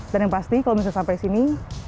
dan yang pasti kalau bisa sampai sini